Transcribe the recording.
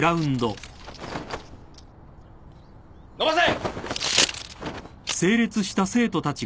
伸ばせ！